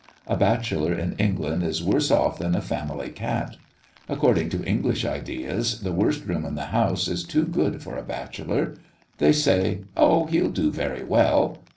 A bachelor in England is worse off than a family cat. According to English ideas, the worst room in the house is too good for a bachelor. They say "Oh, he'll do very well!"